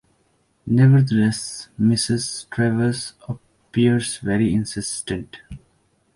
Nevertheless, Mrs. Travers appears very insistent.